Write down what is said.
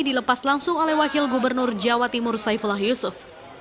dilepas langsung oleh wakil gubernur jawa timur saifullah yusuf